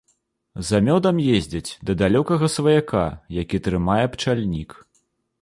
За мёдам ездзяць да далёкага сваяка, які трымае пчальнік.